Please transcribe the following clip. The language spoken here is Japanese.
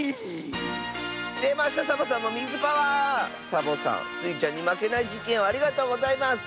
サボさんスイちゃんにまけないじっけんをありがとうございます！